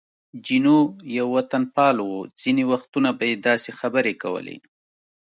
جینو یو وطنپال و، ځینې وختونه به یې داسې خبرې کولې.